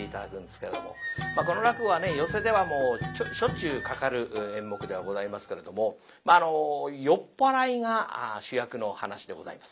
もうしょっちゅうかかる演目ではございますけれども酔っ払いが主役の噺でございます。